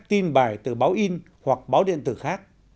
tin bài từ báo in hoặc báo điện tử khác